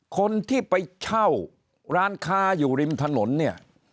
คนที่ไปเช่าร้านค้าอยู่ริมถนนเนี่ย